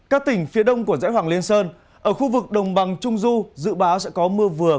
các tỉnh phía đông của dãy hoàng liên sơn ở khu vực đồng bằng trung du dự báo sẽ có mưa vừa